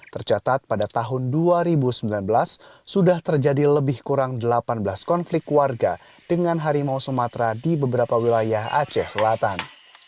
tercatat pada tahun dua ribu sembilan belas sudah terjadi lebih kurang delapan belas konflik warga dengan harimau sumatera di beberapa wilayah aceh selatan